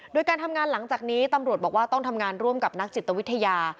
โดยการทำงานหลังจากนี้ตำรวจบอกว่าต้องทำงานร่วมกับนักจิตวิทยา